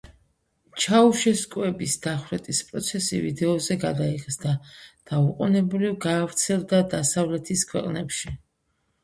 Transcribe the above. ჩაუშესკუების დახვრეტის პროცესი ვიდეოზე გადაიღეს და დაუყოვნებლივ გავრცელდა დასავლეთის ქვეყნებში.